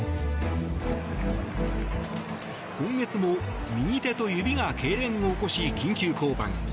今月も右手と指がけいれんを起こし、緊急降板。